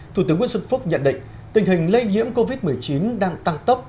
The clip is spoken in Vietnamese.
thủ tướng nguyễn xuân phúc nhận định tình hình lây nhiễm covid một mươi chín đang tăng tốc